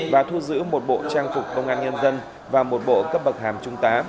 và thu giữ một bộ trang phục công an nhân dân và một bộ cấp bậc hàm trung tá